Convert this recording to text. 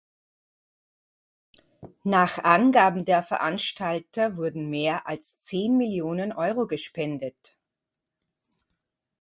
Nach Angaben der Veranstalter wurden mehr als zehn Millionen Euro gespendet.